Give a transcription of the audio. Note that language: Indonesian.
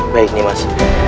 baik nih mas